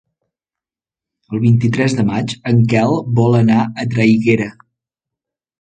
El vint-i-tres de maig en Quel vol anar a Traiguera.